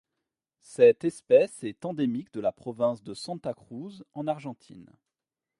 Cette espèce est endémique de la Province de Santa Cruz en Argentine.